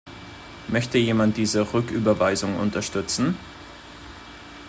Möchte jemand diese Rücküberweisung unterstützen?